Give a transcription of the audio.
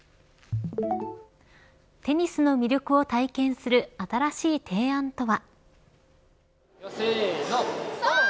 テニスの魅力を体験する新しい提案とは。